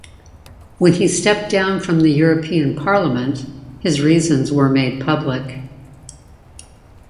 When he stepped down from the European Parliament, his reasons were made public.